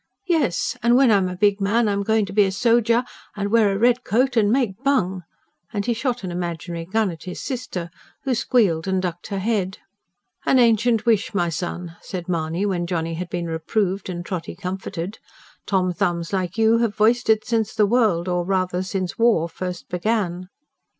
"Yes. An' when I'm a big man, I'm goin' to be a sojer, an' wear a red coat, an' make 'bung'!" and he shot an imaginary gun at his sister, who squealed and ducked her head. "An ancient wish, my son," said Mahony, when Johnny had been reproved and Trotty comforted. "Tom thumbs like you have voiced it since the world or rather since war first began."